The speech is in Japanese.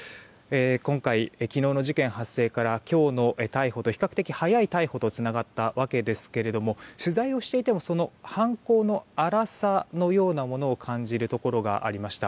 今回、昨日の事件発生から今日の逮捕と比較的早い逮捕とつながったわけですけども取材をしていても犯行の荒さを感じるところがありました。